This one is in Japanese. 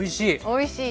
おいしい。